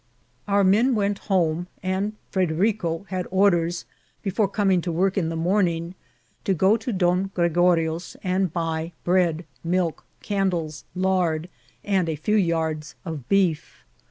Our men went home, and Frederico had or ders, before coming to work in the morning, to go to Jkm Gregorio's and buy bread, milk, candles, lard, and a few yards of beef.